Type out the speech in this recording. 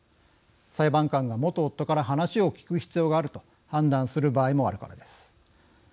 裁判官が元夫から話を聞く必要があると判断する場合もあるからです。